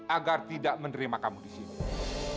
agar tidak menerima kamu di sini